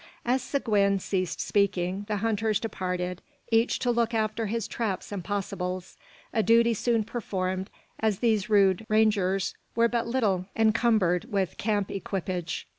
As Seguin ceased speaking, the hunters departed, each to look after his "traps and possibles"; a duty soon performed, as these rude rangers were but little encumbered with camp equipage.